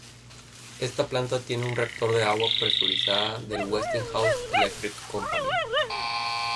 Esta planta tiene un reactor de agua presurizada del "Westinghouse Electric Company".